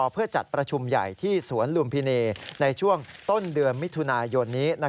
เพื่อจัดประชุมใหญ่ที่สวนลุมพินีในช่วงต้นเดือนมิถุนายนนี้